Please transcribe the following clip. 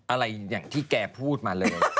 อะไรอย่างที่แกพูดมาเลย